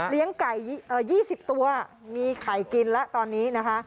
เลี้ยงไก่ยี่สิบตัวมีไข่กินแล้วตอนนี้นะคะ